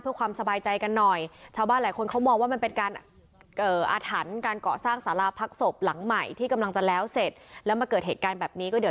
เพื่อความสบายใจกันหน่อย